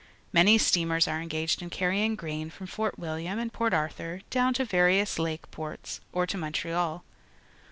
Many steamers are engaged in carrying grain from Fort William and Port Arthur down to various Lake ports or to Montreal.